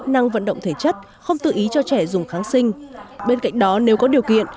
năng vận động thể chất không tự ý cho trẻ dùng kháng sinh bên cạnh đó nếu có điều kiện